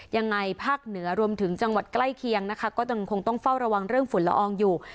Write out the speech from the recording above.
ภาคเหนือรวมถึงจังหวัดใกล้เคียงนะคะก็ยังคงต้องเฝ้าระวังเรื่องฝุ่นละอองอยู่